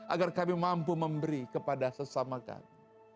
agar kami mampu memberi kepada sesama kami